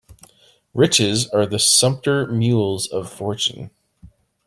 Riches are the sumpter mules of fortune.